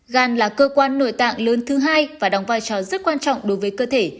gan là cơ quan nội tạng lớn thứ hai và đóng vai trò rất quan trọng đối với cơ thể